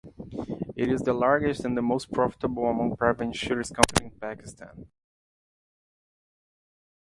It is the largest and the most profitable among private insurance companies in Pakistan.